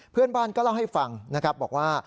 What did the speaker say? เพื่อนบ้านก็เล่าให้ฟังนะครับบอกว่า